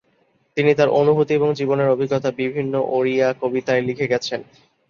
তিনি তাঁর অনুভূতি এবং জীবনের অভিজ্ঞতা বিভিন্ন ওড়িয়া কবিতায় লিখে গেছেন।